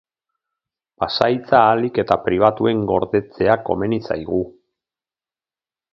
Pasahitza ahalik eta pribatuen gordetzea komeni zaigu.